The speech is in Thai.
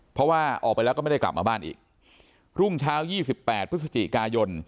เพราะว่าออกไปแล้วก็ไม่ได้กลับมาบ้านอีกรุ่งเช้ายี่สิบแปดพฤศจิกายน